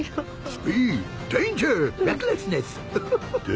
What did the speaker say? スピード！